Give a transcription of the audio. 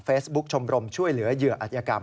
เฟซบุ๊คชมบรมช่วยเหลือเหยื่ออัตยกรรม